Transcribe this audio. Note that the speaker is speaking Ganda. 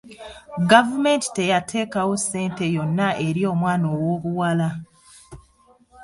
Gavumenti teyateekawo ssente yonna eri omwana owoobuwala.